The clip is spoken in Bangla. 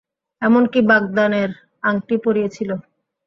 এমনকি বাগদানের আংটি পরিয়েছিল।